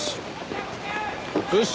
よし。